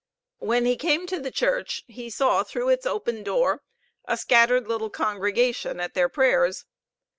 When he came to the church, he saw through its open door a scattered little congregation at their prayers.